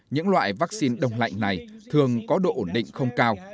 những loại vắc xin đông lạnh này thường có độ ổn định không cao